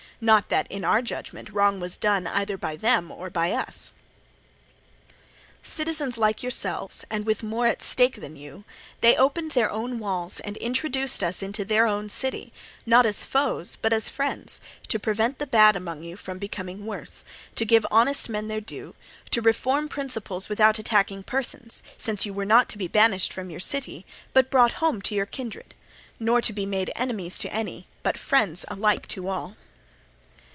Not that, in our judgment, wrong was done either by them or by us. Citizens like yourselves, and with more at stake than you, they opened their own walls and introduced us into their own city, not as foes but as friends, to prevent the bad among you from becoming worse; to give honest men their due; to reform principles without attacking persons, since you were not to be banished from your city, but brought home to your kindred, nor to be made enemies to any, but friends alike to all.